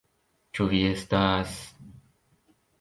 Ĉu vi estas...